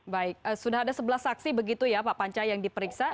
baik sudah ada sebelas saksi begitu ya pak panca yang diperiksa